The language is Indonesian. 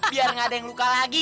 biar nggak ada yang luka lagi